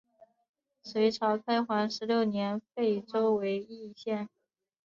隋朝开皇十六年废州为易县。